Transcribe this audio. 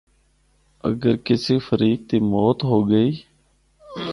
اگر کسی فریق دی موت ہو گئی۔